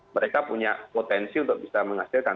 mereka punya potensi untuk bisa menghasilkan